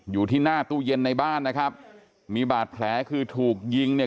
อยู่ที่หน้าตู้เย็นในบ้านนะครับมีบาดแผลคือถูกยิงเนี่ย